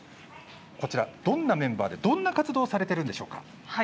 こちらどんなメンバーでどんな活動をされているんですか。